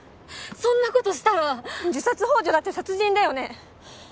そんなことした自殺幇助だって殺人だよね！